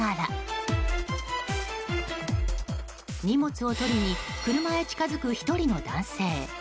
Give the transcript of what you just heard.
荷物を取りに車へ近づく１人の男性。